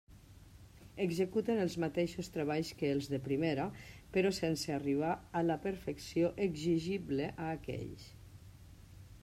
Executen els mateixos treballs que els de primera, però sense arribar a la perfecció exigible a aquells.